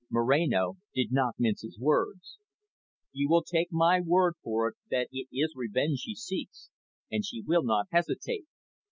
Moreno did not mince his words. "You will take my word for it that it is revenge she seeks, and she will not hesitate.